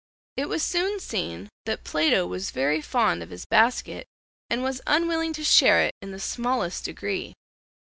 It was soon seen that Plato was very fond of his basket, and was unwilling to share it in the smallest degree.